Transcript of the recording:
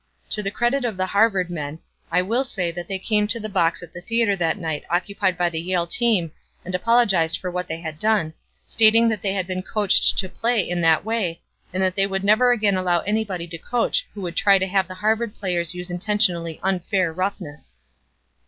To the credit of the Harvard men I will say that they came to the box at the theater that night occupied by the Yale team and apologized for what they had done, stating that they had been coached to play in that way and that they would never again allow anybody to coach who would try to have the Harvard players use intentionally unfair roughness.